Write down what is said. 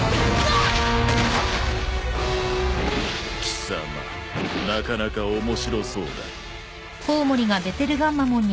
貴様なかなか面白そうだ。